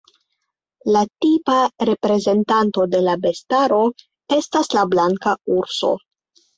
La tipa reprezentanto de la bestaro estas la blanka urso.